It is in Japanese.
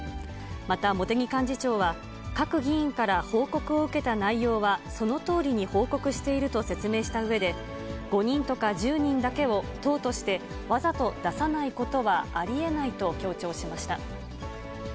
また茂木幹事長は、各議員から報告を受けた内容は、そのとおりに報告していると説明したうえで、５人とか１０人だけを、党としてわざと出さないことはありえないと強調しました。